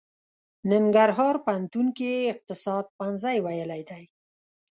ننګرهار پوهنتون کې يې اقتصاد پوهنځی ويلی دی.